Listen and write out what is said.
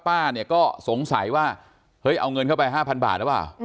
ป้าเนี่ยก็สงสัยว่าเฮ้ยเอาเงินเข้าไป๕๐๐บาทหรือเปล่า